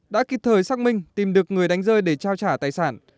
đã kịp thời xác minh tìm được người đánh rơi để trao trả tài sản